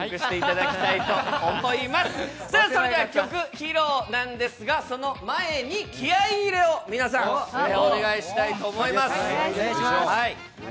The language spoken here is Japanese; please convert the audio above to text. それでは曲披露なんですが、その前に気合い入れを皆さんでお願いしたいと思います。